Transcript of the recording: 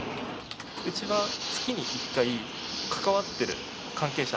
うちは月に１回関わってる関係者